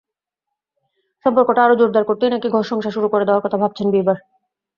সম্পর্কটা আরও জোরদার করতেই নাকি ঘরসংসার শুরু করে দেওয়ার কথা ভাবছেন বিবার।